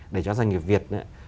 để cho doanh nghiệp việt